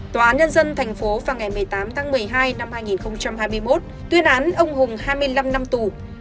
tòa án nhân dân tp vào ngày một mươi tám tháng một mươi hai năm hai nghìn hai mươi một tuyên án ông hùng hai mươi năm năm tù